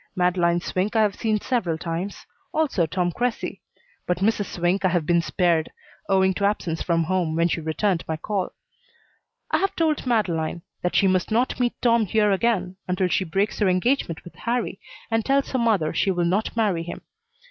Madeleine Swink I have seen several times, also Tom Cressy, but Mrs. Swink I have been spared, owing to absence from home when she returned my call. I have told Madeleine that she must not meet Tom here again until she breaks her engagement with Harrie and tells her mother she will not marry him.